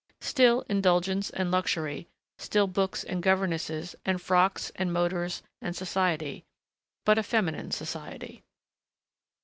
Still indulgence and luxury, still books and governesses and frocks and motors and society but a feminine society.